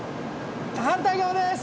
反対側でーす！